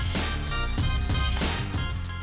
pembangunan ketua pembangunan pembangunan